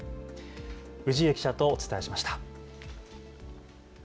氏家記者とお伝えしました。